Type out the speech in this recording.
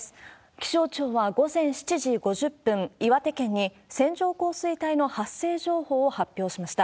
気象庁は午前７時５０分、岩手県に線状降水帯の発生情報を発表しました。